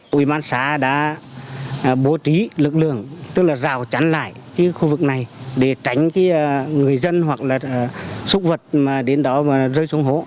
quỹ bán xã đã bố trí lực lượng tức là rào chắn lại cái khu vực này để tránh cái người dân hoặc là súc vật mà đến đó rơi xuống hố